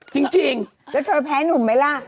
จริงแล้วเธอแพ้หนุ่มไหมล่ะ